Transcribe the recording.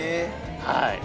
はい。